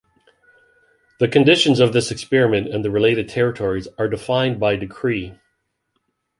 The conditions of this experiment and the related territories are defined by decree.